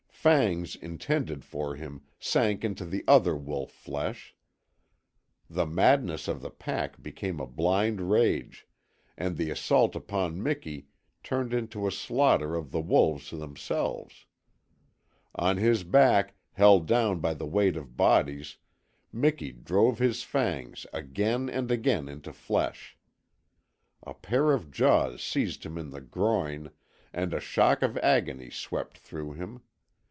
Fangs intended for him sank into other wolf flesh; the madness of the pack became a blind rage, and the assault upon Miki turned into a slaughter of the wolves themselves. On his back, held down by the weight of bodies, Miki drove his fangs again and again into flesh. A pair of jaws seized him in the groin, and a shock of agony swept through him.